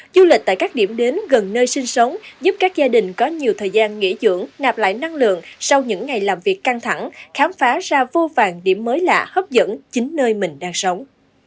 du lịch tại các điểm đến gần nơi sinh sống giúp các gia đình có nhiều thời gian nghỉ dưỡng nạp lại năng lượng sau những ngày làm việc căng thẳng khám phá ra vô vàng điểm mới lạ hấp dẫn chính nơi mình đang sống